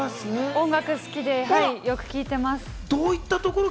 音楽好きでよく聞いています。